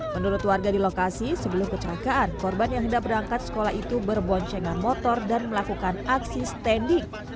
menurut warga di lokasi sebelum kecelakaan korban yang hendak berangkat sekolah itu berboncengan motor dan melakukan aksi standing